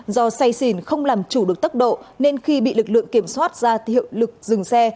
do say xỉn không làm chủ được tốc độ nên khi bị lực lượng kiểm soát ra hiệu lực dừng xe